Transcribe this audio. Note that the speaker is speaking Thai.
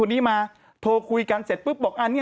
ไม่แค่แบบว่าคุยกันตรงนี้แล้วมันรักได้อย่างไร